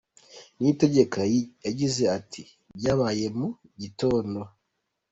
Niyitegeka yagize ati “Byabaye mu gitondo.